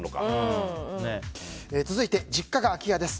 続いて、実家が空き家です。